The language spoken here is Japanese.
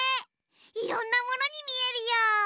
いろんなものにみえるよ。